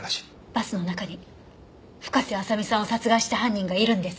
バスの中に深瀬麻未さんを殺害した犯人がいるんです。